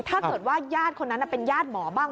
ถ้าเกิดว่าญาติคนนั้นน่ะเป็นญาติหมอบ้าง